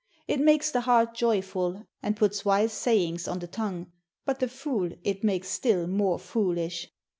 It makes the heart joyful and puts wise sayings on the tongue, but the fool it makes still more foolish.'